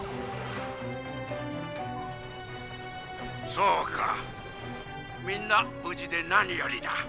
「そうかみんな無事で何よりだ」。